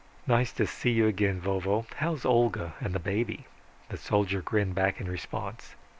"Nice to see you again, Vovo. How're Olga and the baby?" The soldier grinned back in response.